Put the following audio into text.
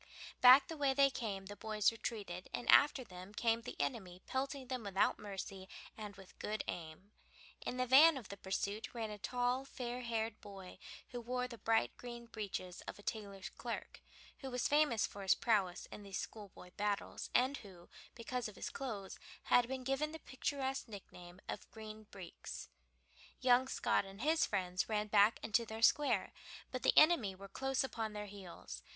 Back the way they came the boys retreated, and after them came the enemy pelting them without mercy and with good aim. In the van of the pursuit ran a tall, fair haired boy, who wore the bright green breeches of a tailor's clerk, who was famous for his prowess in these schoolboy battles, and who, because of his clothes, had been given the picturesque nickname of "Green Breeks." Young Scott and his friends ran back into their square, but the enemy were close upon their heels.